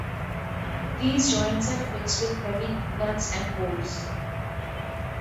These joints are fixed with heavy nuts and bolts.